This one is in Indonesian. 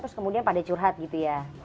terus kemudian pada curhat gitu ya